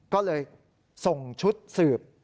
ก็เลยส่งชุดสืบ